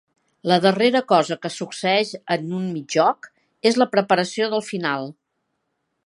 La darrera cosa que succeeix en un mig joc és la preparació del final.